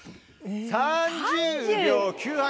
３０秒９８。